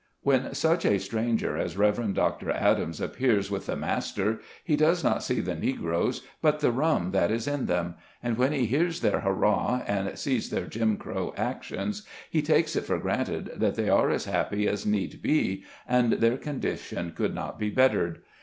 When such a stranger as Rev. Dr. Adams appears with the master, he does not see the Negroes, but the rum that is in them ; and when he hears their hurrah, and sees their Jim Crow actions, he takes it for granted that they are as happy as need be, and their condition could not be bettered.